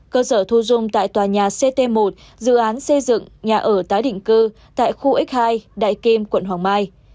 cơ sở thu dung tại tòa nhà ct một dự án xây dựng nhà ở tái định cư tại khu x hai đại kim quận hoàng mai